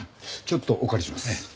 ちょっとお借りします。